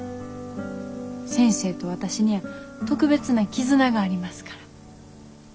先生と私には特別な絆がありますから。